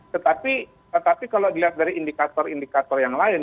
tetapi kalau dilihat dari indikator indikator yang lain